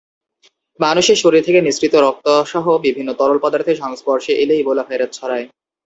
মানুষের শরীর থেকে নিঃসৃত রক্তসহ বিভিন্ন তরল পদার্থের সংস্পর্শে এলে ইবোলা ভাইরাস ছড়ায়।